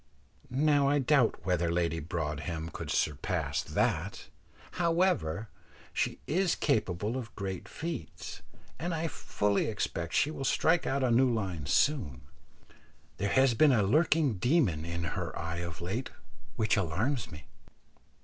Now I doubt whether Lady Broadhem could surpass that. However, she is capable of great feats, and I fully expect she will strike out a new line soon; there has been a lurking demon in her eye of late which alarms me.